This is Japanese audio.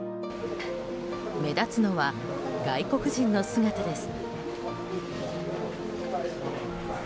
目立つのは、外国人の姿です。